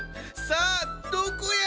さあどこや？